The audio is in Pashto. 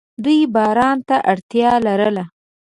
دوی باران ته اړتیا لرله.